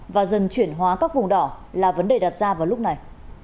và dần chuyển hóa các vùng đỏ là vấn đề đặt ra vào lúc này